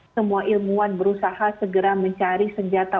semua ilmuwan berusaha segera mencari senjata